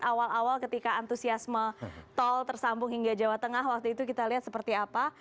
awal awal ketika antusiasme tol tersambung hingga jawa tengah waktu itu kita lihat seperti apa